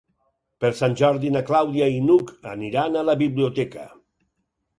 Per Sant Jordi na Clàudia i n'Hug aniran a la biblioteca.